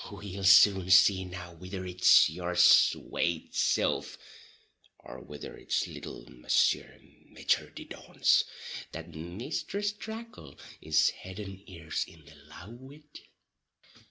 We'll soon see now whither it's your swate silf, or whither it's little Mounseer Maiter di dauns, that Misthress Tracle is head and ears in the love wid."